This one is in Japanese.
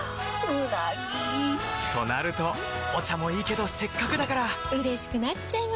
うなぎ！となるとお茶もいいけどせっかくだからうれしくなっちゃいますか！